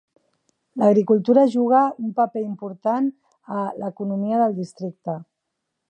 L"agricultura juga un paper important a l"economia del districte.